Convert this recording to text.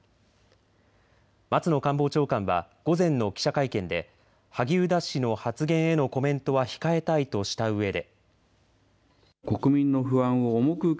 松野官房長官は午前の記者会見で萩生田氏の発言へのコメントは控えたいとしたうえで。